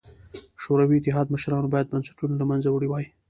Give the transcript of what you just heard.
شوروي اتحاد مشرانو باید بنسټونه له منځه وړي وای.